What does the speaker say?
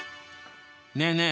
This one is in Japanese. ねえねえ